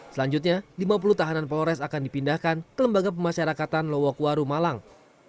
selanjutnya lima puluh tahanan polres akan dipindahkan ke lembaga pemasyarakatan lowokwaru malang